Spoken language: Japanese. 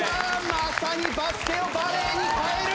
まさにバスケをバレエに変える！